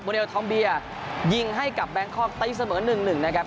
มอเนลทอมเบียร์ยิงให้กับแบงค์คอปตะยิ้งเสมอ๑๑นะครับ